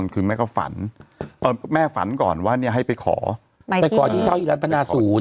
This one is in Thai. คือแม่ก็ฝันแม่ฝันก่อนว่าเนี่ยให้ไปขอไปขอที่เช่าอีรันพนาศูนย์